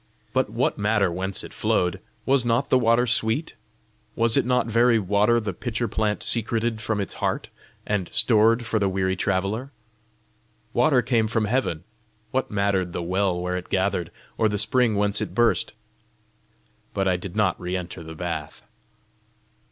But what matter whence it flowed? was not the water sweet? Was it not very water the pitcher plant secreted from its heart, and stored for the weary traveller? Water came from heaven: what mattered the well where it gathered, or the spring whence it burst? But I did not re enter the bath.